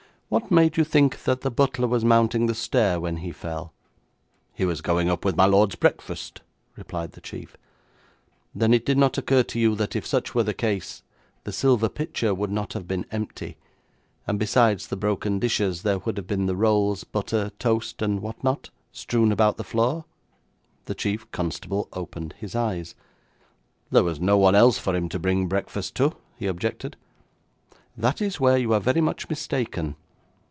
'What made you think that the butler was mounting the stair when he fell?' 'He was going up with my lord's breakfast,' replied the chief. 'Then did it not occur to you that if such were the case, the silver pitcher would not have been empty, and, besides the broken dishes, there would have been the rolls, butter, toast, or what not, strewn about the floor?' The chief constable opened his eyes. 'There was no one else for him to bring breakfast to,' he objected. 'That is where you are very much mistaken.